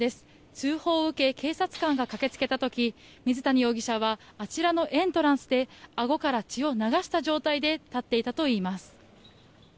通報を受け警察官が駆け付けた時水谷容疑者はあちらのエントランスであごから血を流した状態で立っていたといいます。